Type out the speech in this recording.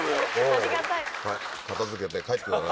ありがたい。